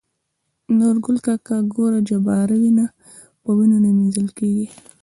نورګل کاکا :ګوره جباره وينه په وينو نه مينځل کيږي.